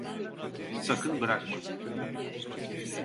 Sakın bırakma!